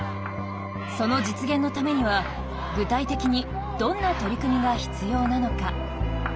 その実現のためには具体的にどんな取り組みが必要なのか？